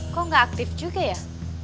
kok nggak aktif juga ya